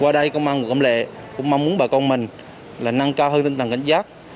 qua đây công an của cộng lệ cũng mong muốn bà con mình là năng cao hơn tinh thần cảnh giác